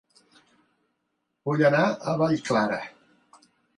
Vull anar a Vallclara